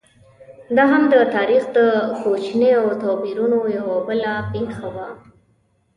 دا هم د تاریخ د کوچنیو توپیرونو یوه بله پېښه وه.